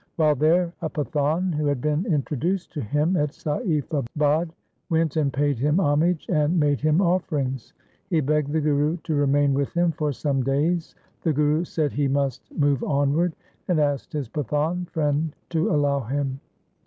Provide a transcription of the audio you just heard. While there a Pathan, who had been introduced to him at Saifabad, went and paid him homage, and made him offerings. He begged the Guru to remain with him for some days. The Guru said he must move onward, and asked his Pathan friend to allow him.